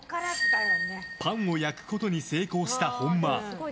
パンを焼くことに成功した本間。